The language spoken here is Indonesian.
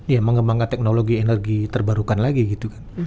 ya mengembangkan teknologi energi terbarukan lagi gitu kan